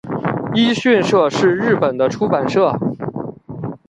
一迅社是日本的出版社。